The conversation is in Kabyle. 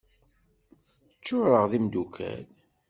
Ččureɣ d imeddukal.